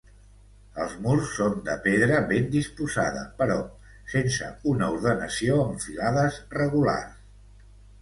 Els murs són de pedra ben disposada però sense una ordenació en filades regulars.